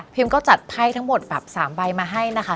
ก็จัดไพ่ทั้งหมดแบบ๓ใบมาให้นะคะ